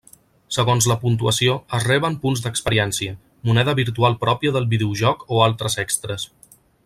Segons la puntuació es reben punts d'experiència, moneda virtual pròpia del videojoc o altres extres.